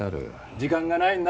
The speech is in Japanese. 時間がないんだ。